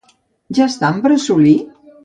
—Ja està en Bressolí?